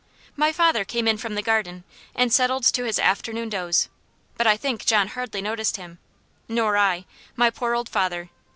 My father came in from the garden, and settled to his afternoon doze; but I think John hardly noticed him nor I. My poor old father!